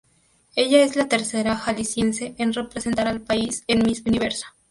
Ella es la tercera Jalisciense en representar al país en Miss Universo.